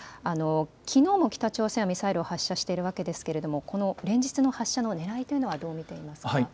きのうも北朝鮮はミサイルを発射しているわけですけれども連日の発射のねらいというのはどう見ていますか。